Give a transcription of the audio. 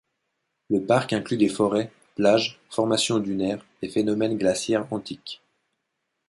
Le parc inclut des forêts, plages, formations dunaires, et phénomènes glaciaires antiques.